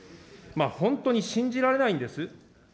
本当に信じられないんです。